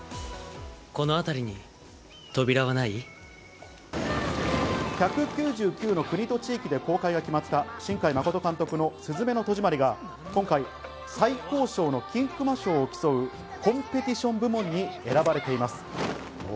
このあたりに扉はない？１９９の国と地域で公開が決まった新海誠監督の『すずめの戸締まり』が今回、最高賞の金熊賞を競うコンペティション部門に選ばれています。